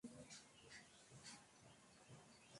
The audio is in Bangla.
এটা তোর কোন নতুন কোডওয়ার্ড নাকি?